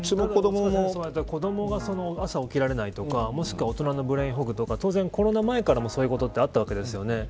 子どもが朝、起きられないとかもしくは大人のブレインフォグとか当然コロナ前からもそういうことはあったわけです。